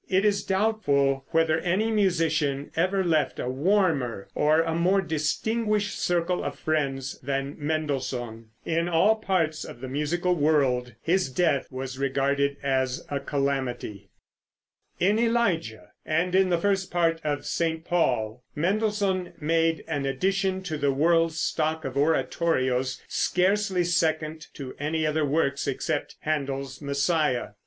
It is doubtful whether any musician ever left a warmer or a more distinguished circle of friends than Mendelssohn. In all parts of the musical world his death was regarded as a calamity. [Illustration: Fig. 86. FELIX MENDELSSOHN BARTHOLDY.] In "Elijah" and in the first part of "St. Paul" Mendelssohn made an addition to the world's stock of oratorios scarcely second to any other works, excepting Händel's "Messiah."